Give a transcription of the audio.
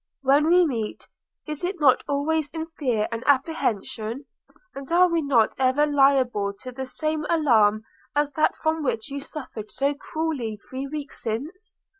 When we meet, is it not always in fear and apprehension? and are we not ever liable to the same alarm as that from which you suffered so cruelly three weeks since?